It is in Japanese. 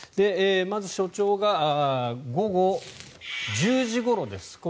まず署長が午後１０時ごろです